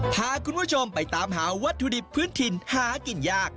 พาคุณผู้ชมไปตามหาวัตถุดิบพื้นถิ่นหากินยาก